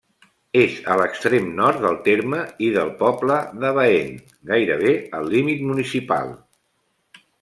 És a l'extrem nord del terme i del poble de Baén, gairebé al límit municipal.